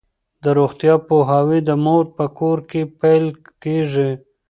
د روغتیا پوهاوی د مور په کور کې پیل کیږي.